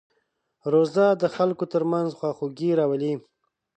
روژه د خلکو ترمنځ خواخوږي راولي.